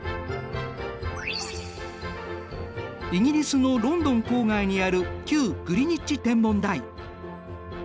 イギリスのロンドン郊外にある旧グリニッジ天文台。